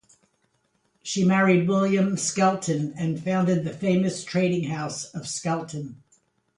She married William Skelton and founded the famous trading house of Skelton.